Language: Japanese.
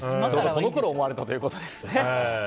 このころはそう思われていたということですね。